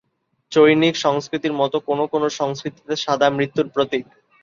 চৈনিক সংস্কৃতির মতো কোনো কোনো সংস্কৃতিতে সাদা মৃত্যুর প্রতীক।